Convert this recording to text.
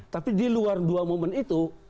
tapi di luar dua momen itu